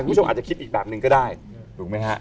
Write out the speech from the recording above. คุณผู้ชมอาจจะคิดอีกแบบหนึ่งก็ได้ถูกไหมฮะ